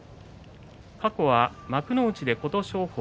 過去は幕内で琴勝峰。